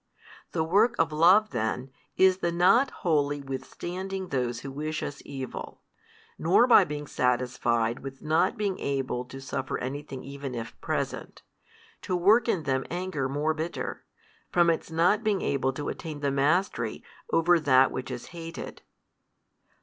The work of love then, is the not wholly withstanding those who wish us evil, nor by being satisfied with not being able to suffer anything even if present, to work in them anger more bitter, from its not being able to attain the mastery over that which is hated.